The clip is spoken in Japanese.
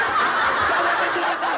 やめてください！